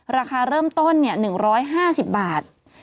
ราคาเริ่มต้น๑๕๐บาท